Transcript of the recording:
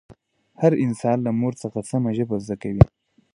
هر انسان له مور څخه سمه ژبه زده کوي